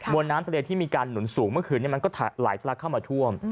วนน้ำทะเลที่มีการหนุนสูงเมื่อคืนนี้มันก็ไหลทะลักเข้ามาท่วม